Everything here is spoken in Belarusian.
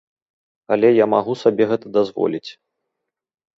Але я магу сабе гэта дазволіць.